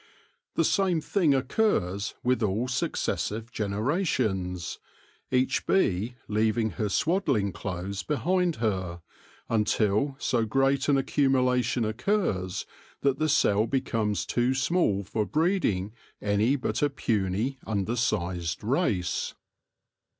The same thing occurs with all successive generations, each bee leaving her swad dling clothes behind her, until so great an accumula tion occurs that the cell becomes too small for breeding any but a puny, undersized race.